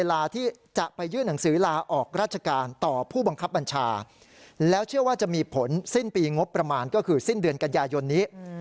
แล้วเชื่อว่าจะมีผลสิ้นปีงบประมาณก็คือสิ้นเดือนกันยายนนี้